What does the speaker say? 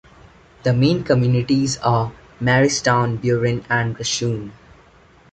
The main communities are Marystown, Burin and Rushoon.